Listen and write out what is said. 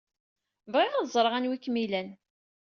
Bɣiɣ ad ẓreɣ anwa ay kem-ilan.